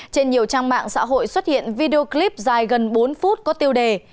trên nhiều trang mạng xã hội xuất hiện video clip dài gần bốn phút có tiêu đề